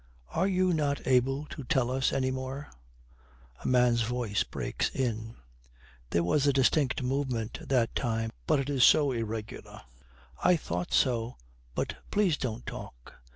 Are you not able to tell us any more?' A man's voice breaks in. 'There was a distinct movement that time, but it is so irregular.' 'I thought so, but please don't talk.